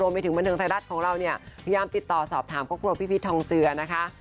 ไปถึงบันเทิงไทยรัฐของเราเนี่ยพยายามติดต่อสอบถามครอบครัวพี่พีชทองเจือนะคะ